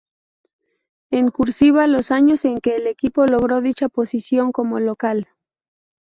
En "cursiva", los años en que el equipo logró dicha posición como local.